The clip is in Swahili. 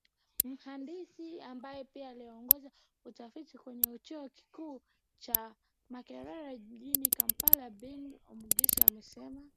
Mhandisi ambaye pia anaongoza utafiti kwenye chuo kikuu cha Makerere jijini Kampala Bain Omugisa amesema